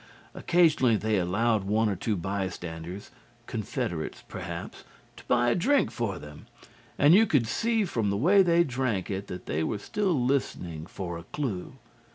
Occasionally they allowed one or two bystanders confederates, perhaps, to buy a drink for them, and you could see from the way they drank it that they were still listening for a clue.